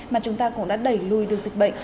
mà chúng ta cũng đã đẩy lùi được dịch bệnh